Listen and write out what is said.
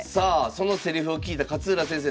そのセリフを聞いた勝浦先生